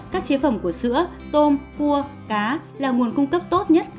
các chế phẩm của sữa tôm cua cá là nguồn cung cấp tốt nhất canxi cho trẻ